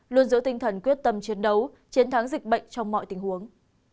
luôn giữ tinh thần quyết tâm chiến đấu chiến thắng dịch bệnh trong mọi tình huống